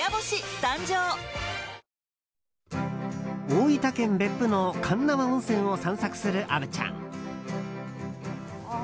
大分県別府の鉄輪温泉を散策する虻ちゃん。